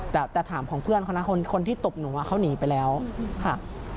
แต่ถามของเพื่อนเขานะคนที่ตบหนูเขาหนีไปแล้วค่ะ